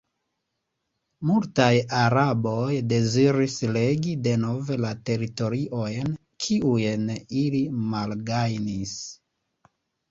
Multaj araboj deziris regi denove la teritoriojn, kiujn ili malgajnis.